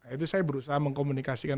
itu saya berusaha mengkomunikasikan